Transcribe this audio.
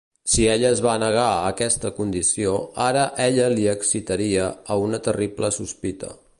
Si ella es va negar aquesta condició ara ella li excitaria a una terrible sospita.